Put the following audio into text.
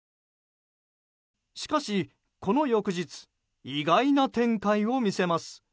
しかし、この翌日意外な展開を見せます。